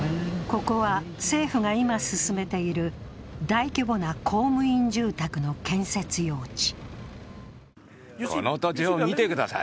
ここは政府が今進めている大規模な公務員住宅の建設用地。